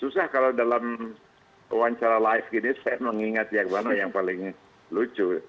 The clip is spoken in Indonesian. susah kalau dalam wawancara live gini saya mengingat ya yang paling lucu